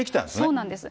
そうなんです。